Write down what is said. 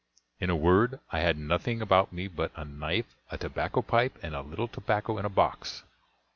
In a word, I had nothing about me but a knife, a tobacco pipe, and a little tobacco in a box.